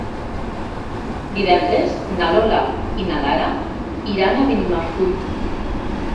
Divendres na Lola i na Lara iran a Benimarfull.